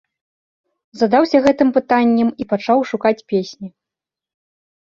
Задаўся гэтым пытаннем і пачаў шукаць песні.